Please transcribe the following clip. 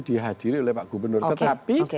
dihadiri oleh pak gubernur tetapi